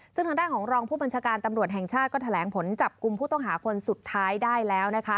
ซึ่งทางด้านของรองผู้บัญชาการตำรวจแห่งชาติก็แถลงผลจับกลุ่มผู้ต้องหาคนสุดท้ายได้แล้วนะคะ